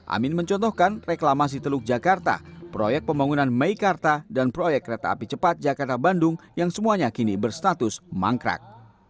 amin mencontohkan reklamasi teluk jakarta proyek pembangunan meikarta dan proyek kereta api cepat jakarta bandung yang semuanya kini berstatus mangkrak